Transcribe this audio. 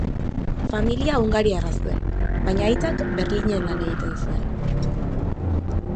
Familia hungariarra zuen, baina aitak Berlinen lan egiten zuen.